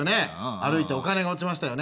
歩いてお金が落ちましたよね。